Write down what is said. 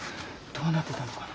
どうなってたのかな。